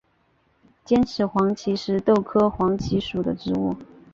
尖齿黄耆是豆科黄芪属的植物。